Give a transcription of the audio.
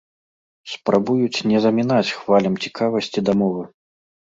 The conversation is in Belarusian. Спрабуюць не замінаць хвалям цікавасці да мовы.